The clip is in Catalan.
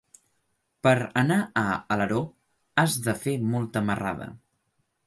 Per anar a Alaró has de fer molta marrada.